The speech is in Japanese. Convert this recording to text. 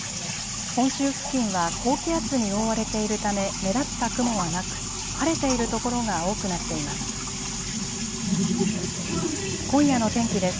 本州付近は高気圧に覆われているため目立った雲はなく晴れている所が多くなっています。